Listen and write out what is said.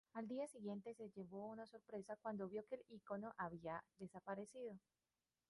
Al día siguiente se llevó una sorpresa cuando vio que el icono había desaparecido.